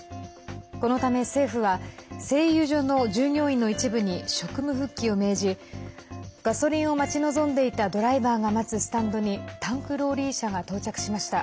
このため政府は、製油所の従業員の一部に職務復帰を命じガソリンを待ち望んでいたドライバーが待つスタンドにタンクローリー車が到着しました。